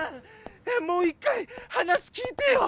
もう１回話聞いてよ！